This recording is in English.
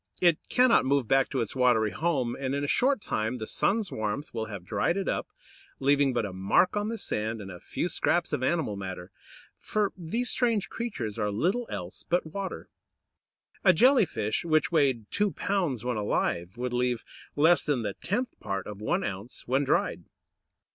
It cannot move back to its watery home, and in a short time the sun's warmth will have dried it up, leaving but a mark on the sand, and a few scraps of animal matter; for these strange creatures are little else but water. A Jelly fish, which weighed two pounds when alive, would leave less than the tenth part of one ounce when dried!